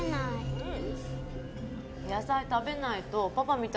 うん。